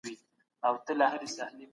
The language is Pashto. د خدای او مظلوم ترمنځ پرده نشته.